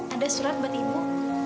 ada surat buat ibu